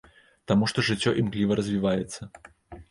Таму што жыццё імкліва развіваецца.